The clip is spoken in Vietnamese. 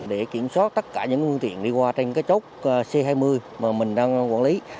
để kiểm soát tất cả những phương tiện đi qua trên cái chốt c hai mươi mà mình đang quản lý